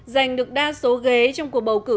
giành được đa số ghế trong cuộc bầu cử